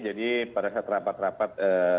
jadi pada saat rapat rapat